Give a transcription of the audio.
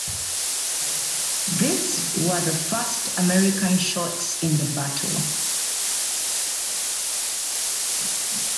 These were the first American shots in the battle.